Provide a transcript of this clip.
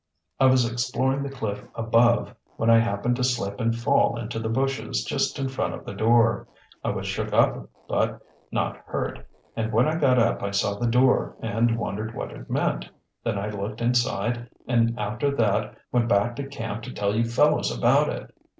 "I was exploring the cliff above when I happened to slip and fall into the bushes just in front of the door. I was shook up but not hurt, and when I got up I saw the door and wondered what it meant. Then I looked inside and after that went back to camp to tell you fellows about it."